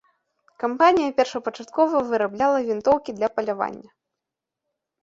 Кампанія першапачаткова вырабляла вінтоўкі для палявання.